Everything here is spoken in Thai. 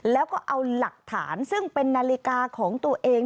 แล้วก็เอาหลักฐานซึ่งเป็นนาฬิกาของตัวเอง